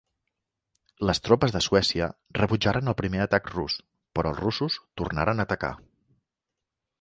Les tropes de Suècia rebutjaren el primer atac rus, però els russos tornaren a atacar.